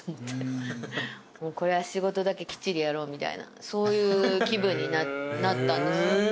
これは仕事だけきっちりやろうみたいなそういう気分になったんですよ。